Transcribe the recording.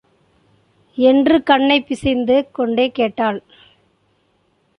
என்று கண்ணைப் பிசைந்து கொண்டே கேட்டாள்.